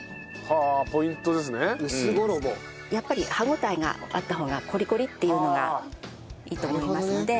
やっぱり歯ごたえがあった方がコリコリっていうのがいいと思いますので。